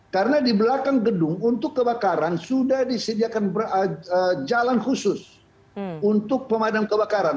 karena di belakang gedung untuk kebakaran sudah disediakan jalan khusus untuk pemadam kebakaran